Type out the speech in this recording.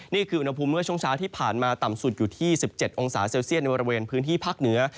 นี่คืออุณหภูมิเมื่อช่วงเช้าที่ผ่านมาต่ำสุดอยู่ที่๑๗องศาเซลเซียตในบริเวณพื้นที่ภาคเหนือ